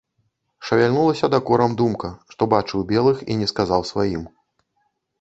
Шавяльнулася дакорам думка, што бачыў белых і не сказаў сваім.